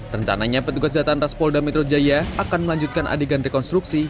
rencananya petugas jatah rastpolda metro jaya akan melanjutkan adegan rekonstruksi